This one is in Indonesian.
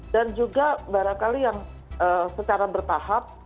dan juga barangkali yang secara bertahap